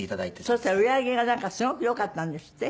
そうしたら売り上げがなんかすごくよかったんですって？